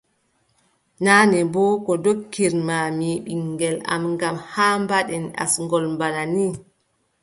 Naane boo, ko ndokkirma mi ɓiŋngel am ngam haa mbaɗen asngol bana nii.